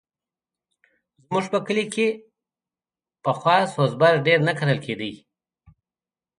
زموږ په کلي کښې پخوا سوز بر ډېر نه کرل کېدی.